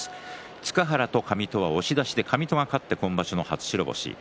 塚原と上戸上戸が押し出しで勝って今場所の初白星。